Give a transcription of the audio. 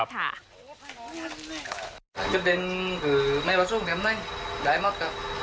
ยุทธิ์เด็นคือไม่ว่าช่วงเต็มเลยได้หมดครับ